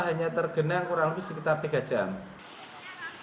hanya tergenang kurang lebih sekitar tiga jam